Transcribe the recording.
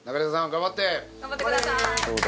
頑張ってください！